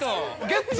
ゲッツ！